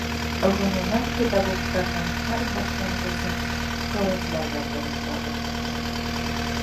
Ғөмүмән, педагогтарҙың һәр башланғысын ҡеүәтләргә тырышабыҙ.